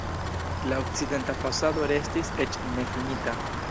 La okcidenta fasado restis eĉ nefinita.